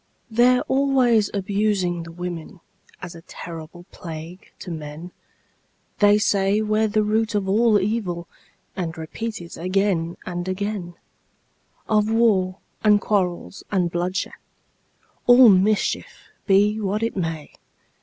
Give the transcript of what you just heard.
They're always abusing the women, As a terrible plague to men; They say we're the root of all evil, And repeat it again and again Of war, and quarrels, and bloodshed, All mischief, be what it may.